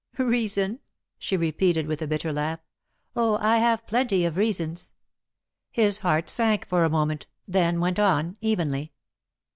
"Reason?" she repeated, with a bitter laugh. "Oh, I have plenty of reasons!" His heart sank for a moment, then went on, evenly.